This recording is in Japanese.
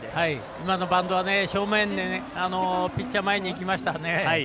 今のバントは正面でピッチャー前にいきましたから。